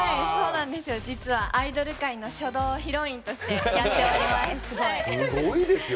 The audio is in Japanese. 実はアイドル界の書道ヒロインとしてやっております。